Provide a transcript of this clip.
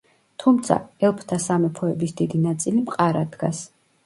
თუმცა, ელფთა სამეფოების დიდი ნაწილი მყარად დგას.